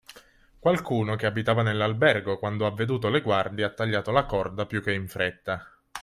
Qualcuno, che abitava nell’albergo, quando ha veduto le guardie, ha tagliato la corda piú che in fretta.